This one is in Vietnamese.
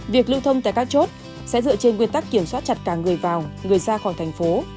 việc lưu thông tại các chốt sẽ dựa trên nguyên tắc kiểm soát chặt cả người vào người ra khỏi thành phố